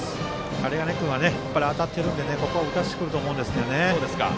針金君は当たってるのでここ打たせてくると思うんですね。